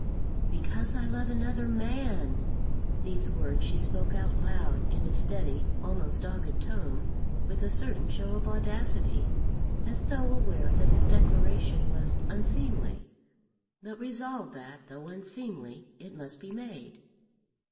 "Because I love another man." These words she spoke out loud, in a steady, almost dogged tone, with a certain show of audacity, as though aware that the declaration was unseemly, but resolved that, though unseemly, it must be made.